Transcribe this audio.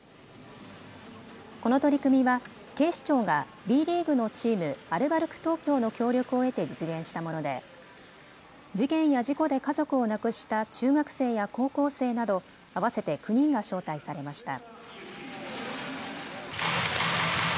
この取り組みは警視庁がＢリーグのチーム、アルバルク東京の協力を得て実現したもので事件や事故で家族を亡くした中学生や高校生など合わせて９人が招待されました。